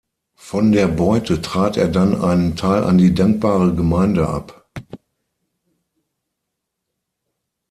Von der Beute trat er dann einen Teil an die dankbare Gemeinde ab.